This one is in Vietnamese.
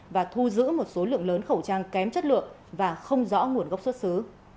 và thu giữ một số lượng lớn khẩu trang kém chất lượng và không rõ nguồn gốc xuất xứ